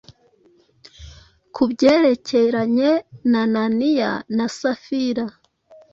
Ku byerekeranye na Ananiya na Safira,